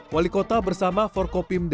wali kota bersama forko pimda